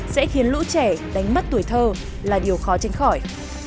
sẽ khiến lũ trẻ đánh mất tuổi thơ là điều khó tránh khỏi